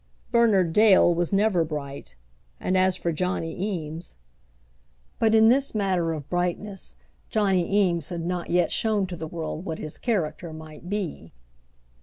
Bernard Dale was never bright; and as for Johnny Eames ; but in this matter of brightness, Johnny Eames had not yet shown to the world what his character might be.